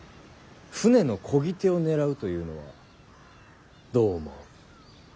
舟のこぎ手を狙うというのはどう思う？